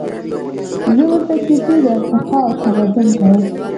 زهٔ ورته کیسې د ارتقا او تمدن کوم